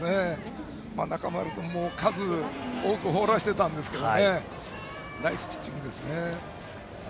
中村君も数多く放らせていましたがナイスピッチングですね。